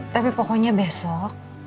tapi pokoknya besok